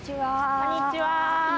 こんにちは。